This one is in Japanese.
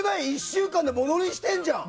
１週間でものにしてるじゃん！